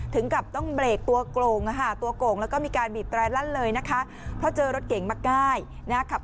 ถึงกับต้องเบรกตัวโก่งตัวโก่งแล้วก็มีการบีบแตรลั่นเลยนะคะเพราะเจอรถเก๋งมาใกล้นะครับ